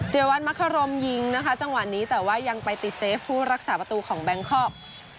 วันมักครมยิงนะคะจังหวะนี้แต่ว่ายังไปติดเซฟผู้รักษาประตูของแบงคอก